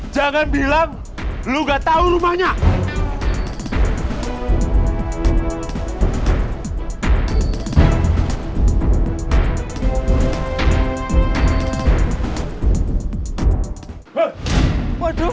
jangan bilang lu gak tahu rumahnya